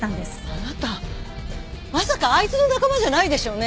あなたまさかあいつの仲間じゃないでしょうね。